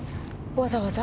わざわざ？